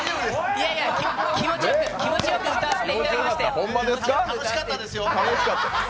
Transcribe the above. いやいや気持ちよく歌わせていただきましたよ。楽しかったですよ。